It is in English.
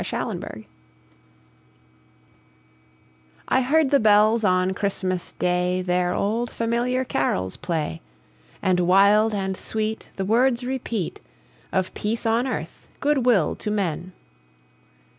CHRISTMAS BELLS I heard the bells on Christmas Day Their old, familiar carols play, And wild and sweet The words repeat Of peace on earth, good will to men!